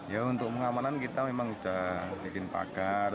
ya untuk pengamanan kita memang sudah izin pagar